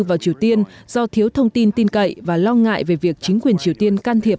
vào triều tiên do thiếu thông tin tin cậy và lo ngại về việc chính quyền triều tiên can thiệp